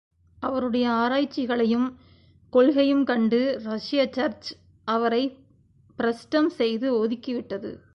அவருடைய ஆராய்ச்சிகளையும், கொள்கையும் கண்டு ரஷ்ய சர்ச் அவரைப் பிரஷ்டம் செய்து ஒதுக்கிவிட்டது.